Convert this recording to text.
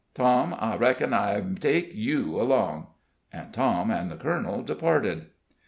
Tom, I reckon I take you along." And Tom and the colonel departed.